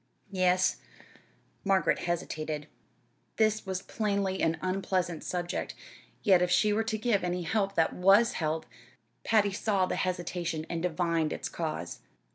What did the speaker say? "Yes." Margaret hesitated. This was plainly an unpleasant subject, yet if she were to give any help that was help Patty saw the hesitation, and divined its cause.